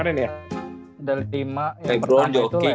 dari lima yang pertama itu lebron